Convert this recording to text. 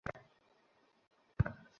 ম্যাট্রিক্সের ভ্রমে আটকে ছিল!